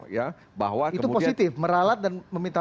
itu positif meralat dan meminta